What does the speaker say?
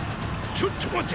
ちょっと待て！